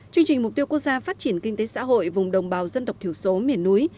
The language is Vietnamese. chương trình mục tiêu quốc gia phát triển kinh tế xã hội vùng đồng bào dân tộc thiểu số miền núi